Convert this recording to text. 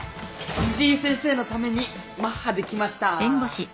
辻井先生のためにマッハで来ましたぁ。